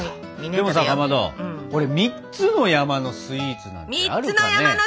でもさかまど３つの山のスイーツなんてあるかね？